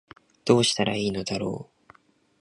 どうしたら良いのだろう